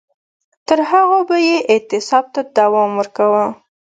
تر هغو به یې اعتصاب ته دوام ورکاوه.